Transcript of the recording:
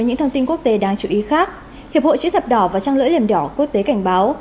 những thông tin quốc tế đáng chú ý khác hiệp hội chữ thập đỏ và trang lưỡi liềm đỏ quốc tế cảnh báo